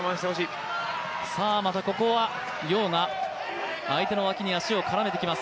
ここは楊が相手の脇に絡めていきます。